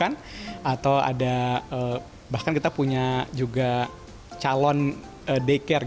atau ada bahkan kita punya juga calon daycare